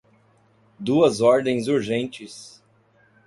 Duas ordens urgentes